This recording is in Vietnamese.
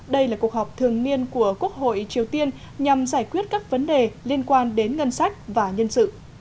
đây là cuộc họp thường niên của quốc hội triều tiên nhằm giải quyết các vấn đề liên quan đến ngân sách và nhân sự